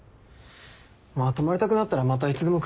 まあ泊まりたくなったらまたいつでも来れば？